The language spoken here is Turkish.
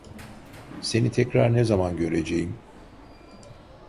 Seni tekrar ne zaman göreceğim?